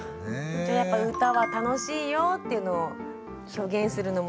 じゃあやっぱ歌は楽しいよっていうのを表現するのも大事ですか？